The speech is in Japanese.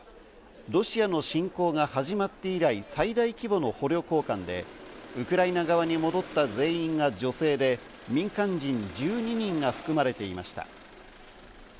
ロシアの侵攻が始まって以来、最大規模の捕虜交換で、ウクライナ側に戻った全員が女性で、民間人１２人が含まれていました。